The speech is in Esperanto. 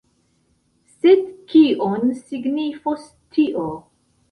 Sed kion signifos tio?